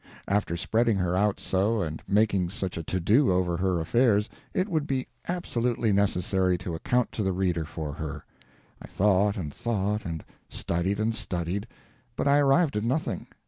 After spreading her out so, and making such a to do over her affairs, it would be absolutely necessary to account to the reader for her. I thought and thought and studied and studied; but I arrived at nothing.